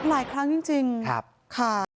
หลายครั้งจริงค่ะ